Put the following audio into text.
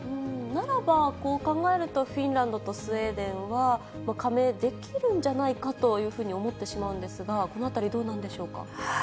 ならば、こう考えると、フィンランドとスウェーデンは、加盟できるんじゃないかというふうに思ってしまうんですが、このあたり、どうなんでしょうか。